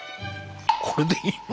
これでいいの？